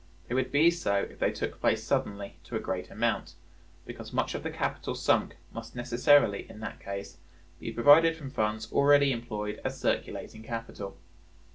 They would be so if they took place suddenly to a great amount, because much of the capital sunk must necessarily in that case be provided from funds already employed as circulating capital.